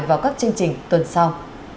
vào các chương trình tuần sau